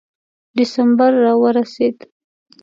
ډسمبر را ورسېد.